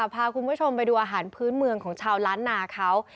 พาคุณผู้ชมไปดูอาหารพื้นเมืองของชาวล้านนาเขา